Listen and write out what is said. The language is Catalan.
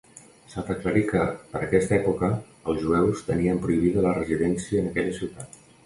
S'ha d'aclarir que, per aquesta època, els jueus tenien prohibida la residència en aquella ciutat.